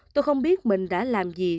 tôi không biết mình đã làm gì